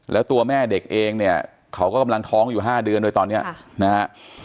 แล้วตัวแม่เด็กเองเนี่ยเขาก็กำลังท้องอยู่๕เดือนด้วยตอนนี้นะฮะ